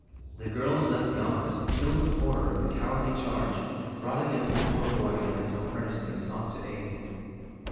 The girls left the office filled with horror of the cowardly charge brought against the poor boy they had so earnestly sought to aid.